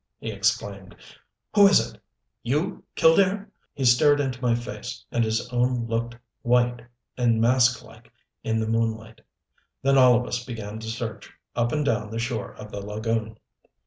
he exclaimed. "Who is it you, Killdare?" He stared into my face, and his own looked white and masque like in the moonlight. Then all of us began to search, up and down the shore of the lagoon.